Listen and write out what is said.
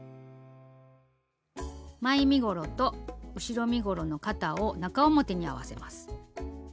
前身ごろと後ろ身ごろの肩を中表に合わせます。